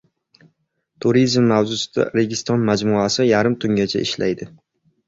Turizm mavsumida "Registon" majmuasi yarim tungacha ishlaydi